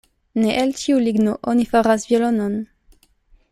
Ne el ĉiu ligno oni faras violonon.